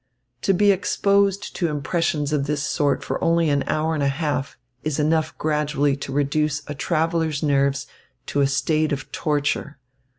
To be exposed to impressions of this sort for only an hour and a half is enough gradually to reduce a traveller's nerves to a state of torture.